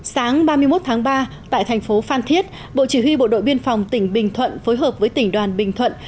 sáng ba mươi một tháng ba tại thành phố phan thiết bộ chỉ huy bộ đội biên phòng tỉnh bình thuận phối hợp với tỉnh đoàn bình thuận